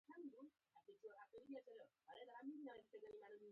واوره د افغانستان د ناحیو ترمنځ تفاوتونه رامنځته کوي.